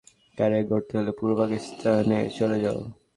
কিন্তু ওস্তাদ পীযূষ বোস বললেন, ক্যারিয়ার গড়তে হলে পূর্ব পাকিস্তানে চলে যাও।